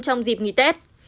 trong dịp nghỉ tết